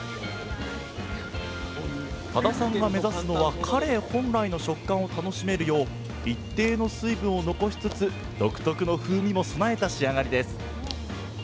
多田さんが目指すのはカレイ本来の食感を楽しめるよう一定の水分を残しつつ独特の風味も備えた仕上がりです。